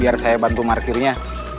biar saya bantu parkirnya